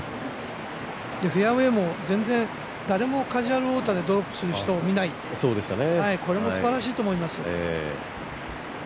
フェアウエーも全然、誰もカジュアルウォーターでドロップする人見ないので、これもすばらしいと思います。